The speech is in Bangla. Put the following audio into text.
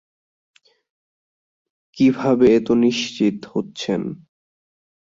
কিভাবে এত নিশ্চিত হচ্ছেন?